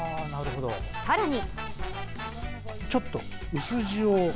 さらに。